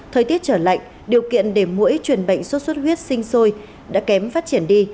thời tiết trở lạnh điều kiện để mỗi chuyển bệnh xuất huyết sinh sôi đã kém phát triển đi